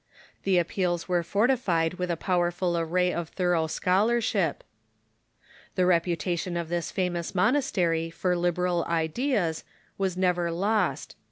The appeals were fortified with a powerful array of thorough scholarship. The reputation of this famous monastery for liberal ideas was never lost.